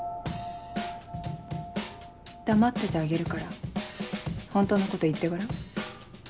黙っててあげるから本当のこと言ってごらん。